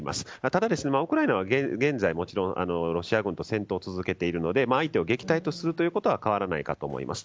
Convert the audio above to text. ただウクライナは現在もちろんロシア軍と戦闘を続けているので相手を撃退するということは変わらないと思います。